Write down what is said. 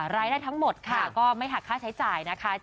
รายได้ทั้งหมดค่ะก็ไม่หักค่าใช้จ่ายนะคะ